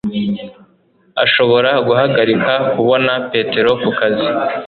ashobora guhagarika kubona Petero kukazi